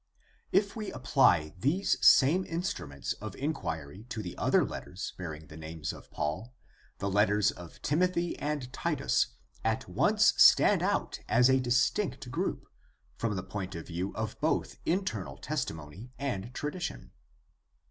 — If we apply these same instru ments of inquiry to the other letters bearing the name of Paul, the letters to Timothy and Titus at once stand out as a dis tinct group, from the point of view of both internal testimony and tradition.